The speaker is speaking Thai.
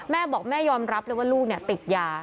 แม่บอกแม่ยอมรับเลยว่าลูกติดยา